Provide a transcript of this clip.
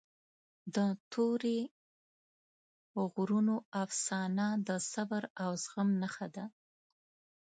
د تورې غرونو افسانه د صبر او زغم نښه ده.